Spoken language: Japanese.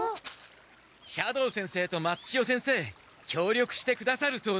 斜堂先生と松千代先生協力してくださるそうです。